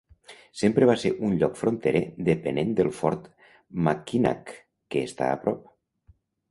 Sempre va ser un lloc fronterer dependent del Fort Mackinac, que està a prop.